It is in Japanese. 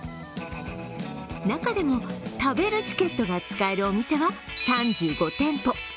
中でも、食べるチケットが使えるお店は３５店舗。